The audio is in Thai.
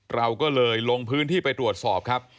เราก็เลยลงพื้นที่ไปตรวจสอบครับ